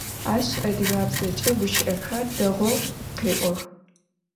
Aş adıgabzeç'e guşı'exer değou khê'ox.